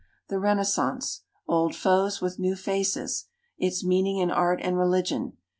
The re naissance. Old foes with new faces. Its meaning in Art and Religion.